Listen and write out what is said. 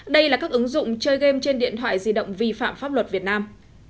đây là các ứng dụng chơi game trên điện thoại di động vi phạm pháp luật việt nam